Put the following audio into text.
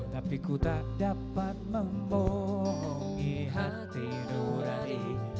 tapi ku tak dapat memohongi hati nurani